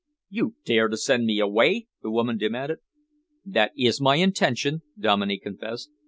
"You would dare to send me away?" the woman demanded. "That is my intention," Dominey confessed.